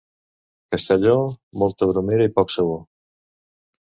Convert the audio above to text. Castelló, molta bromera i poc sabó.